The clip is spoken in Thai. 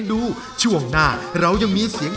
คุณแม่รู้สึกยังไงในตัวของกุ้งอิงบ้าง